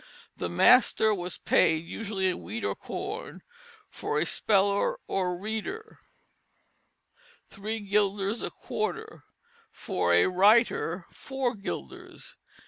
The master was paid (usually in wheat or corn) for "a speller or reader" three guilders a quarter, for "a writer" four guilders.